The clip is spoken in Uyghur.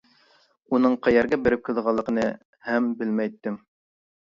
ئۇنىڭ قەيەرگە بېرىپ كېلىدىغانلىقىنى ھەم بىلمەيتتىم.